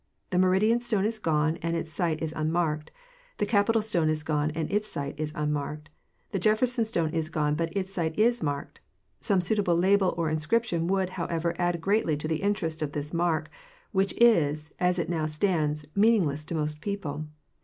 The Meridian stone is gone and its site is unmarked. The Capitol stone is gone and its site isunmarked. The Jefferson stone is gone, but its site is marked, Some suitable label or inscription would, however, add greatly to the interest of this mark, which is, as it now stands, meaning less to most people.